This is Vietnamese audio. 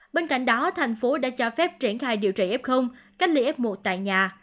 bên cạnh đó thành phố đã cho phép triển khai điều trị f cách ly f một tại nhà